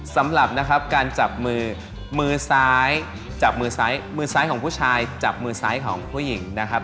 สำหรับการจับมือมือซ้ายจับมือซ้ายของผู้ชายจับมือซ้ายของผู้หญิงนะครับ